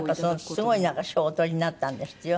なんかすごい賞をおとりになったんですってよ。